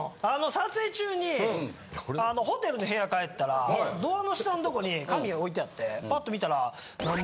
撮影中にホテルの部屋帰ったらドアの下のとこに紙置いてあってパッと見たら。